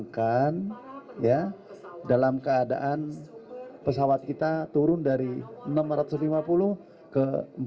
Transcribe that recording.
dan dalam keadaan pesawat kita turun dari enam ratus lima puluh ke empat ratus dua puluh